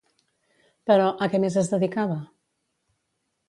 Però, a què més es dedicava?